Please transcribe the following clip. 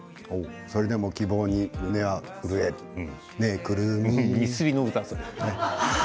それでも希望に胸が震えるねえくるみ。